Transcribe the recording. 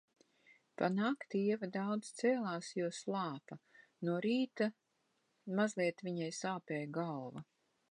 Pa nakti Ieva daudz cēlās, jo slāpa. No rīta mazliet viņai sāpēja galva.